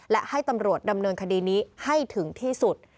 และให้ตำรวจดำเนินคดีนี้ให้ถึงที่สุด